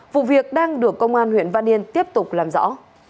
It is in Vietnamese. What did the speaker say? vụ việc đang được công an huyện văn yên tiếp tục làm rõ